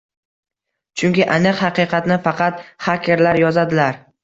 Chunki aniq haqiqatni faqat xakerlar yozadilar